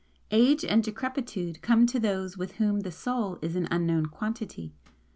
Age and decrepitude come to those with whom the Soul is 'an unknown quantity.'